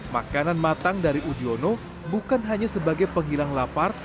makanan matang dari udiono bukan hanya sebagai penghilang lapar